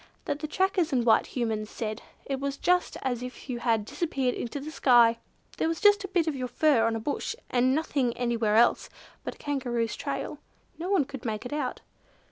—that the trackers and white Humans said it was just as if you had disappeared into the sky! There was just a bit of your fur on a bush, and nothing anywhere else but a Kangaroo's trail. No one could make it out."